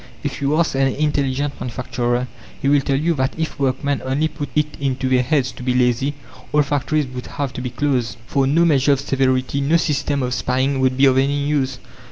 If you ask an intelligent manufacturer, he will tell you that if workmen only put it into their heads to be lazy, all factories would have to be closed, for no measure of severity, no system of spying would be of any use.